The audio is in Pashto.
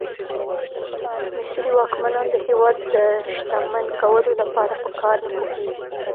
مصري واکمنان د هېواد د شتمن کولو لپاره په کار نه پوهېږي.